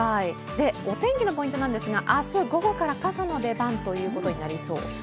お天気のポイントなんですが、明日午後から傘の出番となりそう。